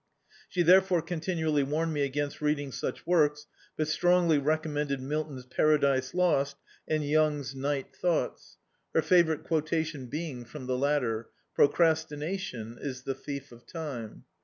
She therefore ctmtinually warned mc against read ing such works, but strongly recommended Milton's "Paradise Lost" and Young's "Ni^t Thou^ts"; her favourite quotation being from the latter — "Procrastination is the thief of time."